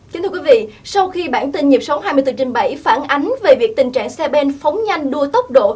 chính thưa quý vị sau khi bản tin nhịp sóng hai mươi bốn h bảy phản ánh về việc tình trạng xe bên phóng nhanh đua tốc độ